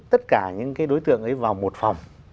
tất cả những cái đối tượng ấy vào một phòng